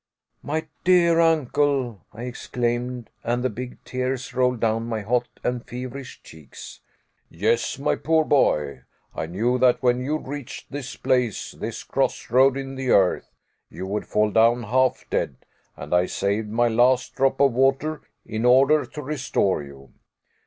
"My dear uncle," I exclaimed, and the big tears rolled down my hot and feverish cheeks. "Yes, my poor boy, I knew that when you reached this place, this crossroad in the earth, you would fall down half dead, and I saved my last drop of water in order to restore you."